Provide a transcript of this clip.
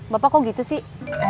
bapak kok gitu sih